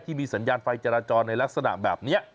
ที่มีสัญญาณไฟจราจรในลักษณะแบบนี้